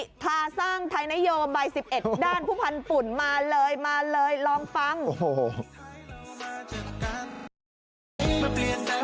พวกคุณภาพชีวิตถึงต้องรีบทำให้คนภูมิเทพทุกคนปลอดภัยคือสิ่งสำคัญ